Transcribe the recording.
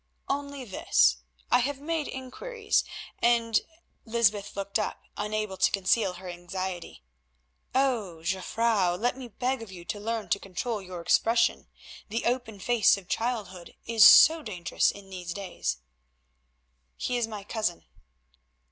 "Only this; I have made inquiries and——" Lysbeth looked up unable to conceal her anxiety. "Oh! Jufvrouw, let me beg of you to learn to control your expression; the open face of childhood is so dangerous in these days." "He is my cousin."